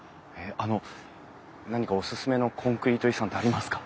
あの何かおすすめのコンクリート遺産ってありますか？